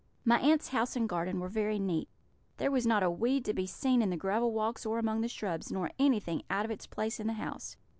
My aunts' house and garden were very neat; there was not a weed to be seen in the gravel walks or among the shrubs, nor anything out of its place in the house.